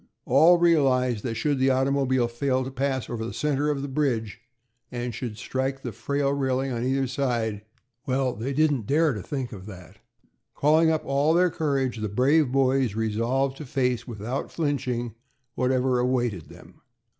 All realized that should the automobile fail to pass over the center of the bridge, and should strike the frail railing on either side Well, they didn't dare to think of that. Calling up all their courage, the brave boys resolved to face, without flinching, whatever awaited them.